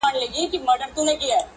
• موږ نه پوهیږو چي رباب -